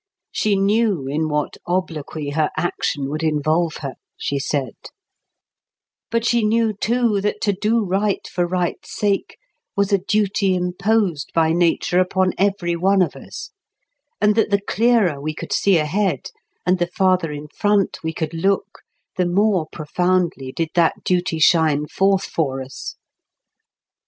She knew in what obloquy her action would involve her, she said; but she knew too, that to do right for right's sake was a duty imposed by nature upon every one of us; and that the clearer we could see ahead, and the farther in front we could look, the more profoundly did that duty shine forth for us.